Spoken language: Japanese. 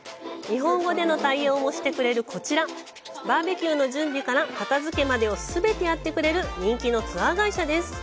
日本語での対応もしてくれるこちら、バーベキューの準備から片づけまでを全てやってくれる人気のツアー会社です。